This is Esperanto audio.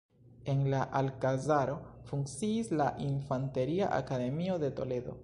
En la alkazaro funkciis la Infanteria Akademio de Toledo.